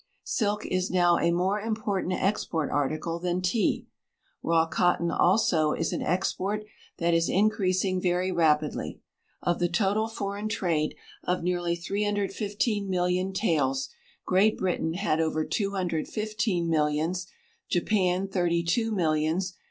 Silk is now a more important export article than tea. Raw cot ton, also, is an export that is increasing very rapidly. Of the total foreign trade of nearly 315 million taels, Great Britain had over 215 millions, Japan 32 millions.